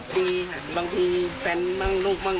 ดีบางทีแฟนบ้างลูกบ้าง